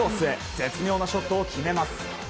絶妙なショットを決めます。